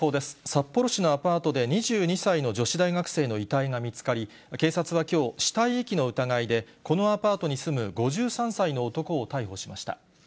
札幌市のアパートで、２２歳の女子大学生の遺体が見つかり、警察はきょう、死体遺棄の疑いで、このアパートに住む５３歳の男を逮捕しました。